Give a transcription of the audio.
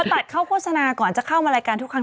ตัดเข้าโฆษณาก่อนจะเข้ามารายการทุกครั้ง